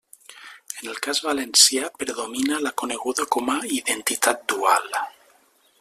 En el cas valencià predomina la coneguda com a «identitat dual».